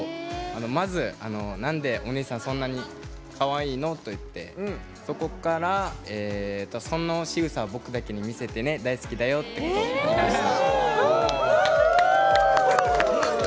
まず「なんでお姉さんそんなにかわいいの？」と言ってそこから「そのしぐさを僕だけに見せてね大好きだよ」ってことを言いました。